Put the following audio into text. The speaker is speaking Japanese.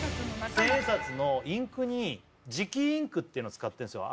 千円札のインクに磁気インクっていうの使ってんすよ